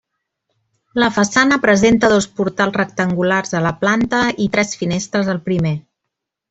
La façana presenta dos portals rectangulars a la planta i tres finestres al primer.